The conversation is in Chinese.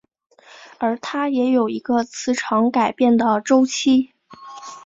而它也有一个磁场改变的周期。